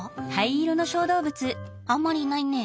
あんまりいないね。